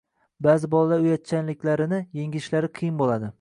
Baʼzi bolalar uyatchanliklarini yengishlari qiyin bo‘ladi